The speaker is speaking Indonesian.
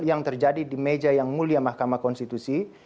yang terjadi di meja yang mulia mahkamah konstitusi